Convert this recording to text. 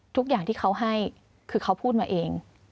ทุกอย่างที่เขาให้คือเขาพูดมาเอง